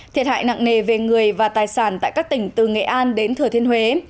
thiệt hại nặng nề về người và tài sản tại các tỉnh từ nghệ an đến thừa thiên huế